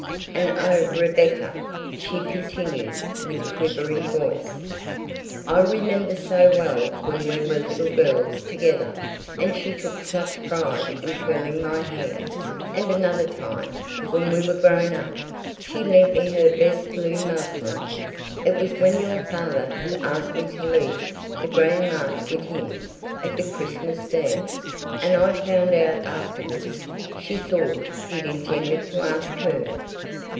And oh, Rebecca," she continued with quivering voice, "I remember so well when we were little girls together and she took such pride in curling my hair; and another time, when we were grown up, she lent me her best blue muslin: it was when your father had asked me to lead the grand march with him at the Christmas dance, and I found out afterwards she thought he'd intended to ask her!"